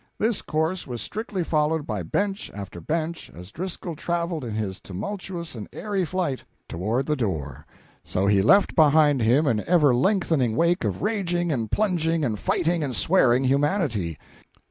This course was strictly followed by bench after bench as Driscoll traveled in his tumultuous and airy flight toward the door; so he left behind him an ever lengthening wake of raging and plunging and fighting and swearing humanity.